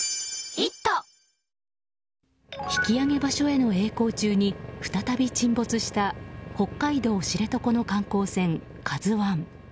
引き揚げ場所へのえい航中に再び沈没した北海道知床の観光船「ＫＡＺＵ１」。